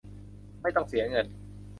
ไม่ต้องเสียเงิน